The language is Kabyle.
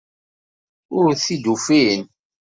Ur t-id-ufin.